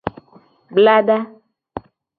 Blada.